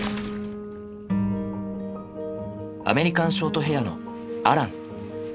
アメリカンショートヘアのアラン。